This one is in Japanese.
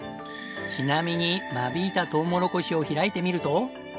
ちなみに間引いたとうもろこしを開いてみると。